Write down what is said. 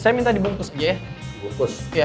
saya minta dibungkus aja dibungkus